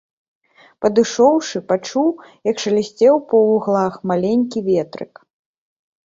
Падышоўшы, пачуў, як шалясцеў па вуглах маленькі ветрык.